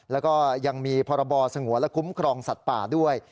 แล้วก็ยังมีพรบสงวนและคุ้มครองสัตว์ป่าด้วย